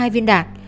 ba mươi hai viên đạn